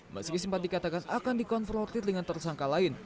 meski sempat dikatakan akan dikonfrontir dengan tersangka lain